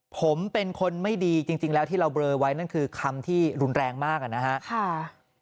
ผมเป็นคนไม่ดีจริงแล้วที่เราเบลอไว้นั่นคือคำที่รุนแรงมากนะครับ